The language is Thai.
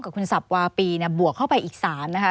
กับคุณสับวาปีเนี่ยบวกเข้าไปอีก๓นะคะ